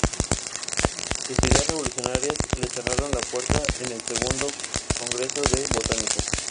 Sus ideas revolucionarias le cerraron la puerta en el segundo congreso de Botánica.